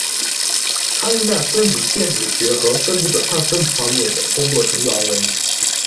他因在分子电子学和分子转换分子方面的工作成就而闻名。